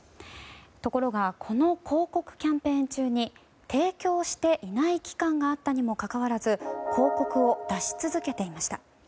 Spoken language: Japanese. ところがこの広告キャンペーン中に提供していない期間があったにもかかわらず広告を出し続けていました。